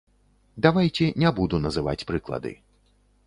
Давайце не буду называць прыклады.